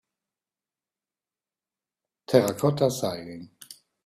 Terracotta Sighing